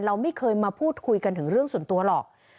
เราไม่เคยมาพูดคุยกันถึงเรื่องส่วนตัวหรอก